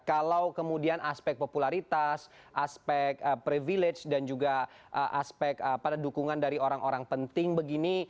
kalau kemudian aspek popularitas aspek privilege dan juga aspek pada dukungan dari orang orang penting begini